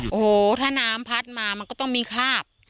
โอ้โหถ้าน้ำพัดมามันก็ต้องมีคราบ